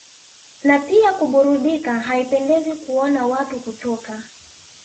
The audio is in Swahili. na pia kuburudika Haipendezi kuona watu kutoka